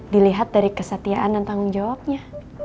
dilihat dari kesetiaan dan tanggung jawabnya